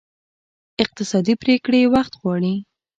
اقتصادي پرېکړې وخت غواړي.